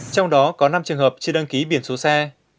trong đó có năm trường hợp chưa đăng ký biển số xe